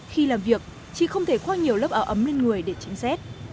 khi làm việc chị không thể khoác nhiều lớp áo ấm lên người để tránh rét